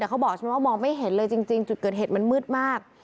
เขาบอกใช่ไหมว่ามองไม่เห็นเลยจริงจุดเกิดเหตุมันมืดมาก